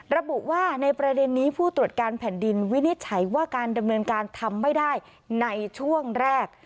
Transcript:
ระบุว่าในประเด็นนี้ผู้ตรวจการแผ่นดินวินิจฉัยว่าการดำเนินการทำไม่ได้ในช่วงแรก